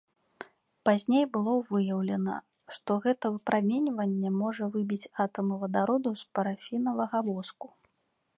Пазней было выяўлена, што гэта выпраменьванне можа выбіць атамы вадароду з парафінавага воску.